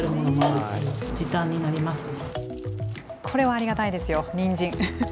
これはありがたいですよ、にんじん。